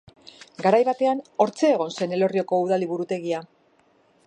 Garai batean hortxe egon zen Elorrioko Udal Liburutegia.